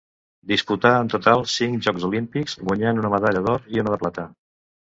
Disputà en total cinc Jocs Olímpics guanyant una medalla d'or i una de plata.